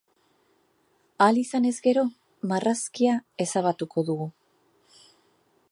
Ahal izanez gero, marrazkia ezabatuko dugu.